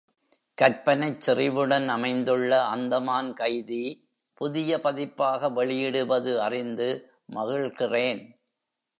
கற்பனைச் செறிவுடன் அமைந்துள்ள அந்தமான் கைதி புதிய பதிப்பாக வெளியிடுவது அறிந்து மகிழ்கிறேன்.